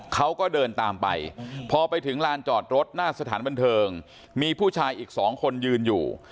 เขาก็เดินตามไปพอไปถึงลานจอดรถหน้าสถานบันเทิงมีผู้ชายอีกสองคนยืนอยู่